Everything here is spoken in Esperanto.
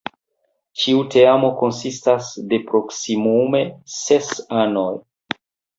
Ĉiu teamo konsistas de maksimume ses anoj.